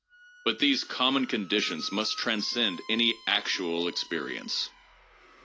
But these common conditions must tran scend any actual experience.